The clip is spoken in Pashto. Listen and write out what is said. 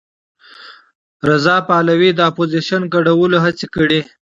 رضا پهلوي د اپوزېسیون ګډولو هڅې کړي.